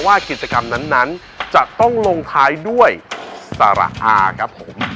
ว่ากิจกรรมนั้นนั้นจะต้องตลกลงท้ายด้วยต่อแหละครับผม